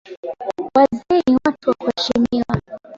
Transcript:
Wazee ni watu wa kuheshimiwa